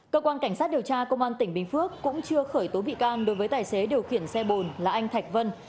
cơ quan cảnh sát điều tra công an tỉnh bình phước cũng chưa khởi tố bị can đối với tài xế điều khiển xe bồn là anh thạch vân